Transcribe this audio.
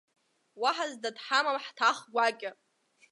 Уаҳа зда дҳамам ҳҭах гәакьа!